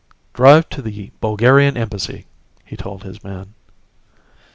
"Drive to the Bulgarian Embassy," he told his man.